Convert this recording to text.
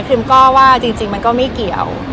ก็ว่าจริงมันก็ไม่เกี่ยว